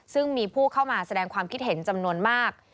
ซึ่งมีผู้เข้ามาแสดงความคิดเห็นจำนวนมาก